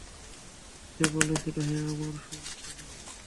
সে বলেছিল, হে আমার সম্প্রদায়!